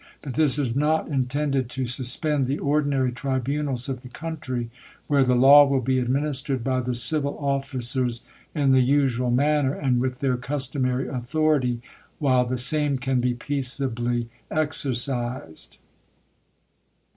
But this is not intended to suspend the ordinary tribunals pimuumi of the country, where the law will be administered by ^'gol'i^^"' the civil officers in the usual manner, and with their ^^J^ ^^p^og' customary authority, while the same can be peaceably exercised.